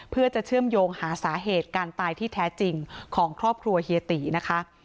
เพื่อจะเชื่อมโยงหาสาเหตุการตายที่แท้จริงของครอบครัวเฮียตีนะคะ